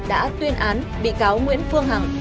đã tuyên án bị cáo nguyễn phương hằng